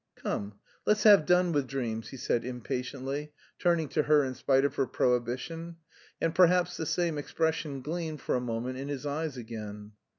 "Come, let's have done with dreams," he said impatiently, turning to her in spite of her prohibition, and perhaps the same expression gleamed for a moment in his eyes again.